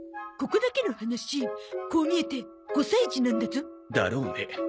ここだけの話こう見えて５歳児なんだゾ。だろうね。